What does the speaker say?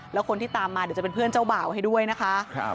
แล้วคนที่ตามมาเดี๋ยวจะเป็นเพื่อนเจ้าบ่าวให้ด้วยนะคะ